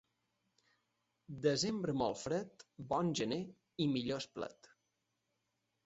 Desembre molt fred, bon gener i millor esplet.